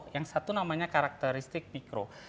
yang satu namanya karakteristik mikro